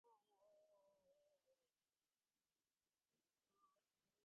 তিনি ব্রাহ্মণদের সাথে অপ্রীতিকর মুখোমুখি হওয়ার কারণে পালিয়ে এসেছিলেন।